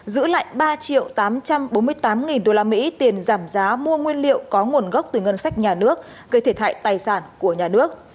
giữ lại ba tám trăm bốn mươi tám nghìn usd tiền giảm giá mua nguyên liệu có nguồn gốc từ ngân sách nhà nước gây thiệt hại tài sản của nhà nước